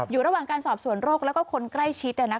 อยู่ระหว่างการสอบสวนโรคแล้วก็คนใกล้ชิด